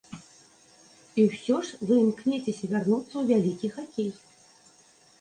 І ўсё ж вы імкнецеся вярнуцца ў вялікі хакей.